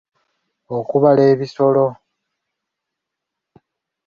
Okubala ebisolo.